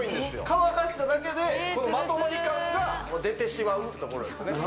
乾かしただけでまとまり感が出てしまうってところですね